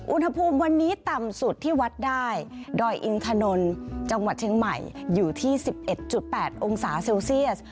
อุณหภูมิวันนี้ต่ำสุดที่วัดได้ดอยอินถนนจังหวัดเชียงใหม่อยู่ที่๑๑๘องศาเซลเซียส